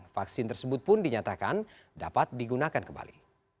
vaksin tersebut pun dinyatakan dapat digunakan kembali